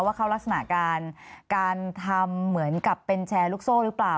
ว่าเขาลักษณะการทำเหมือนกับเป็นแชร์ลูกโซ่หรือเปล่า